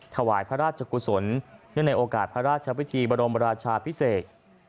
ถวายพระราชกุศลเนื่องในโอกาสพระราชวิธีบรมราชาพิเศษ